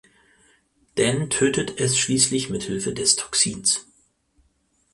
Dan tötet es schließlich mit Hilfe des Toxins.